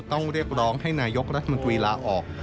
ต้องเรียกร้องให้นายกรัฐมนตรีลาออก